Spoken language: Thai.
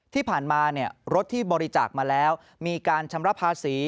ที่ผ่านมารถที่บริจาคมาแล้วมีการชำระภาษี